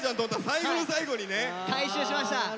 回収しました。